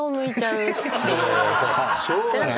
しょうがないやん。